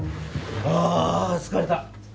ああ疲れた！